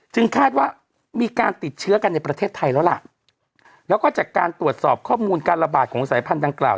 คาดว่ามีการติดเชื้อกันในประเทศไทยแล้วล่ะแล้วก็จากการตรวจสอบข้อมูลการระบาดของสายพันธังกล่าว